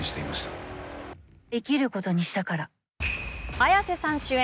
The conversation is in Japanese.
綾瀬さん主演